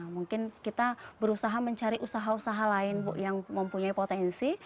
mungkin kita berusaha mencari usaha usaha lain bu yang mempunyai potensi